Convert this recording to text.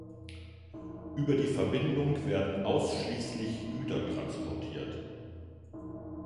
Über die Verbindung werden ausschließlich Güter transportiert.